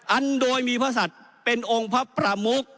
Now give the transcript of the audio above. อันโดยมีพระศัตริย์เป็นองค์พระประมุก